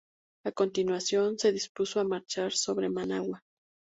A continuación se dispuso a marchar sobre Managua.